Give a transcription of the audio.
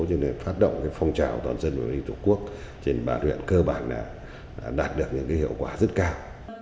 cho nên phát động phong trào toàn dân của tổ quốc trên bản huyện cơ bản đã đạt được những hiệu quả rất cao